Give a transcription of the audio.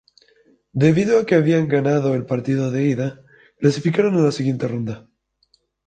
Debido a que habían ganado el partido de ida, clasificaron a la siguiente ronda.